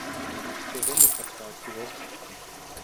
Και δεν είχα πια αρχηγό